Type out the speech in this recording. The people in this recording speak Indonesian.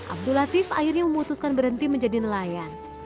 abdul latif akhirnya memutuskan berhenti menjadi nelayan